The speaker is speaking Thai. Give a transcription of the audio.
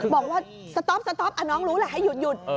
บอกว่าสต๊อปสต๊อปน้องรู้แหละให้หยุด